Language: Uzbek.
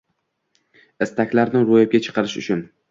istaklarni ro‘yobga chiqarish uchun